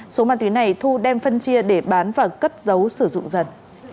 số ma túy này thu đem phân chia để bán và cất dấu sử dụng dần